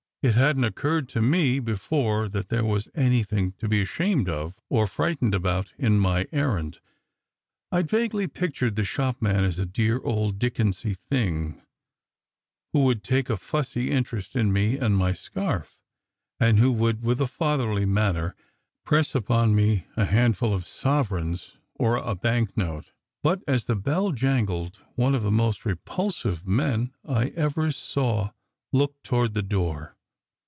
It hadn t occurred to me before that there was anything to be ashamed of or frightened about in my errand. I d vaguely pictured the shopman as a dear old Dickensy thing who would take a fussy interest in me and my scarf, and who would, with a fatherly manner, press upon me a handful of sovereigns or a banknote. But as the bell jangled, one of the most repulsive men I ever saw looked toward the door.